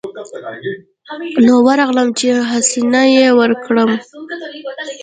نو ورغلم چې حسنه يې وركړم.